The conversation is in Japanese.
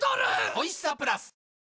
おいしさプラス